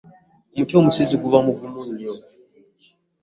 Omuti omusizi guba mugumu nnyo.